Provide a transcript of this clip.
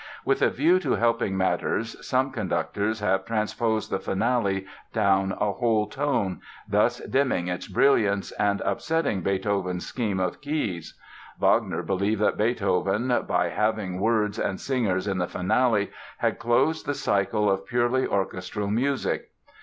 With a view to helping matters some conductors have transposed the Finale down a whole tone, thus dimming its brilliance and upsetting Beethoven's scheme of keys. Wagner believed that Beethoven by having words and singers in the Finale had closed the cycle of purely orchestral music.